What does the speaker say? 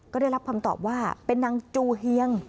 ก็ได้รับคำตอบว่าเป็นนางจูเฮียง